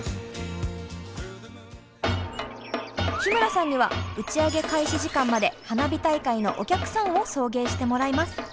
日村さんには打ち上げ開始時間まで花火大会のお客さんを送迎してもらいます。